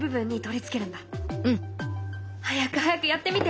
うん。早く早くやってみて！